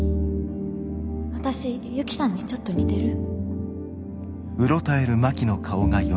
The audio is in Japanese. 私ユキさんにちょっと似てる？